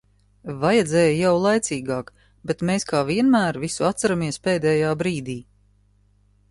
Vajadzēja jau laicīgāk, bet mēs kā vienmēr visu atceramies pēdējā brīdī.